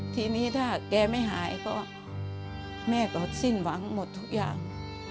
ทีนี้ถ้าแกไม่หายก็แม่ก็สิ้นหวังหมดทุกอย่าง